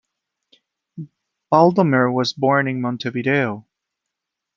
Baldomir was born in Montevideo.